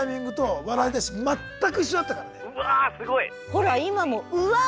ほら今も「うわ」が。